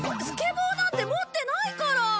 スケボーなんて持ってないから。